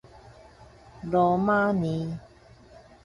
羅馬尼